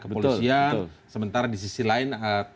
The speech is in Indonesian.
kepolisian sementara di sisi lain